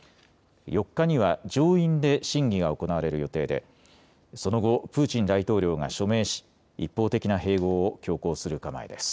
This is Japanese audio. ４日には上院で審議が行われる予定でその後、プーチン大統領が署名し一方的な併合を強行する構えです。